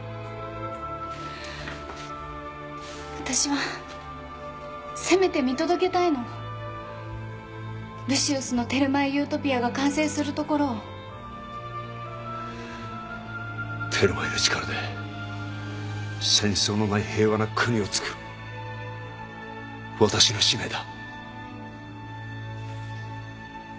私はせめて見届けたいのルシウスのテルマエ・ユートピアが完成するところをテルマエの力で戦争のない平和な国を造る私の使命だ